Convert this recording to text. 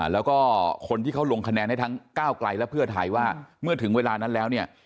แล้วก็คนที่เขาลงคะแนนให้ทั้งก้าวไกลและเพื่อไทยว่าเมื่อถึงเวลานั้นแล้วเนี่ย